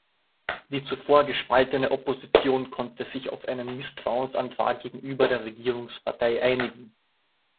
Die zuvor gespaltene Opposition konnte sich auf einen Misstrauensantrag gegenüber der Regierungspartei einigen.